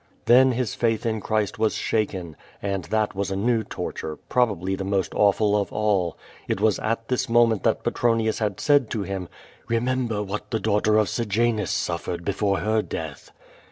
Then his faith in Christ was shaken, and that was a new torture, probably the most awful of all. It was at this moment that Petronius had said to him: "Ilemember what the daugh ter of Sejanus suffei'ed before her death."